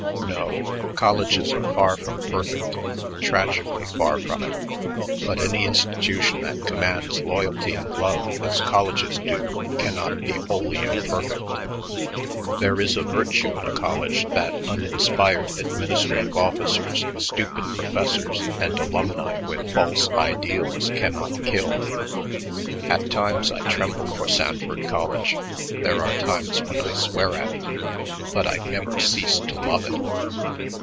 No, colleges are far from perfect, tragically far from it, but any institution that commands loyalty and love as colleges do cannot be wholly imperfect. There is a virtue in a college that uninspired administrative officers, stupid professors, and alumni with false ideals cannot kill. At times I tremble for Sanford College; there are times when I swear at it, but I never cease to love it."